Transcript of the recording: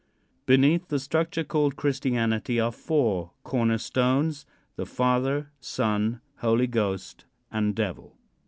Beneath the structure called "Christianity" are four corner stones the Father, Son, Holy Ghost and Devil.